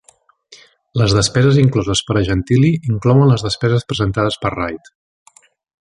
Les despeses incloses per a Gentili inclouen les despeses presentades per Reid.